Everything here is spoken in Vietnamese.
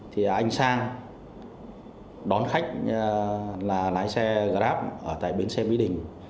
thì anh sang đón khách là lái xe grab ở tại bến xe mỹ đình